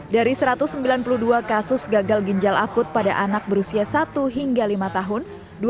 dari satu ratus sembilan puluh dua kasus gagal ginjal akut pada anak berusia satu hingga lima tahun